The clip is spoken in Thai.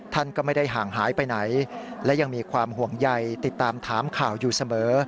ท่านก็ไม่ได้ห่างหายไปไหนและยังมีความห่วงใยติดตามถามข่าวอยู่เสมอ